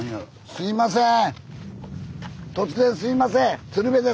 すみません。